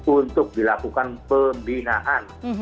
untuk dilakukan pembinaan